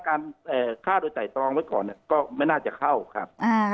การฆ่าโดยไตรตรองไว้ก่อนก็ไม่น่าจะเข้าครับ